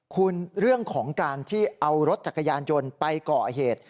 คุณเรื่องของการที่เอารถจักรยานยนต์ไปก่อเหตุ